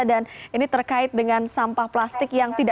dan ini terkait dengan sampah plastik yang tiba tiba